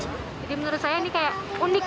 jadi menurut saya ini kayak unik